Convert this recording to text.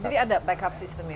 jadi ada backup systemnya